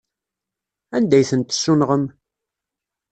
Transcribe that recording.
Anda ay tent-tessunɣem?